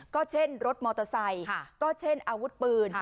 ก็เช่นรถมอเตอร์ไซค์ก็เช่นอาวุธปืน